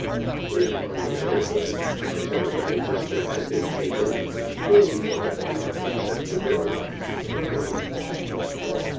If, on the other hand, Johnson of Manchester had been taken, then, he thought, he might accept the bill and wife.